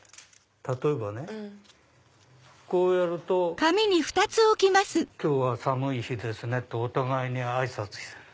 例えばねこうやると「今日は寒い日ですね」ってお互いにあいさつしてる。